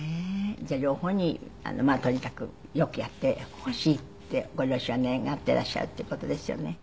じゃあ両方にまあとにかくよくやってほしいってご両親は願っていらっしゃるっていう事ですよね。